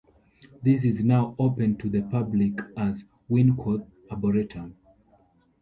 This is now open to the public as Winkworth Arboretum.